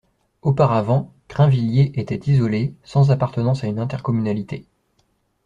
Auparavant, Crainvilliers était isolée sans appartenance à une intercommunalité.